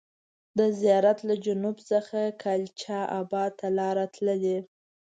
د زیارت له جنوب څخه کلچا بات ته لار تللې.